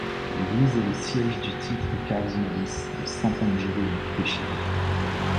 L'Eglise est le siège du titre cardinalice de Sant'Angelo in Pescheria.